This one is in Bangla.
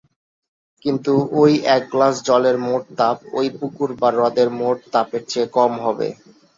কিন্তু ওই এক গ্লাস জলের মোট তাপ ওই পুকুর বা হ্রদের মোট তাপের চেয়ে কম হবে।